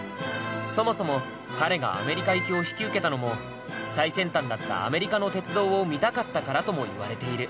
そもそも彼がアメリカ行きを引き受けたのも最先端だったアメリカの鉄道を見たかったからとも言われている。